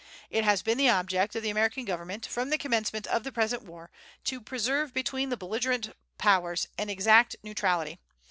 It has been the object of the American government, from the commencement of the present war, to preserve between the belligerent powers an exact neutrality....